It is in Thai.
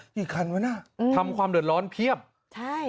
กี่คันวะน่ะอืมทำความเดือดร้อนเพียบใช่